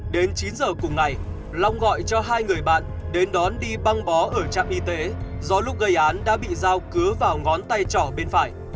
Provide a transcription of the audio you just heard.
đến chín giờ cùng ngày long gọi cho hai người bạn đến đón đi băng bó ở trạm y tế do lúc gây án đã bị dao cứa vào ngón tay trò bên phải